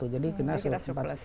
jadi kita surplus ya